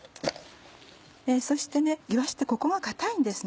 そしていわしってここが硬いんです。